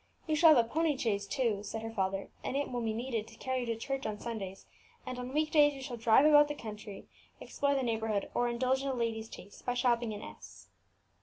"You shall have a pony chaise, too," said her father; "it will be needed to carry you to church on Sundays, and on week days you shall drive about the country, explore the neighbourhood, or indulge a lady's taste by shopping in S